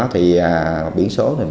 thì đối tượng đi xe